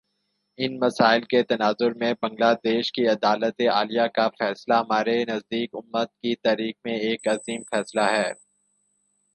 ان مسائل کے تناظر میں بنگلہ دیش کی عدالتِ عالیہ کا فیصلہ ہمارے نزدیک، امت کی تاریخ میں ایک عظیم فیصلہ ہے